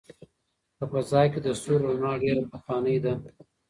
په فضا کې د ستورو رڼا ډېره پخوانۍ ده.